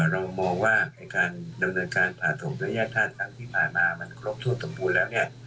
เรามองว่าการดำเนินการผ่าถมและแยกท่าทางที่ผ่านมามันครบถ้วนสมบูรณ์แล้วเนี่ย